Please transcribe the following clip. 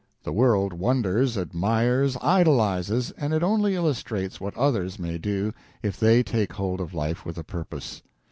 The world wonders, admires, idolizes, and it only illustrates what others may do if they take hold of life with a purpose.